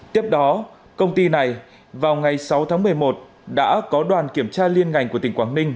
tiếp đó công ty này vào ngày sáu tháng một mươi một đã có đoàn kiểm tra liên ngành của tỉnh quảng ninh